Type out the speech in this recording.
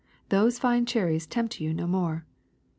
Those fine cherries tempt you no more.